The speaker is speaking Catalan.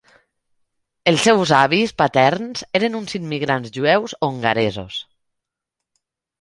Els seus avis paterns eren uns immigrants jueus hongaresos.